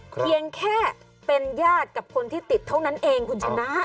เพียงแค่เป็นญาติกับคนที่ติดเท่านั้นเองคุณชนะ